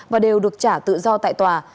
và đều được trả tự do tại tòa